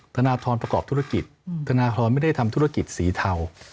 ธนทรประกอบธุรกิจธนทรไม่ได้ทำธุรกิจสีเทา